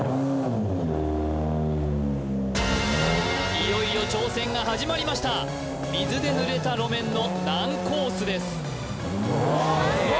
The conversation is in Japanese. いよいよ挑戦が始まりました水で濡れた路面の難コースです